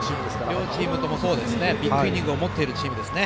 両チームともビッグイニングを持っているチームですね。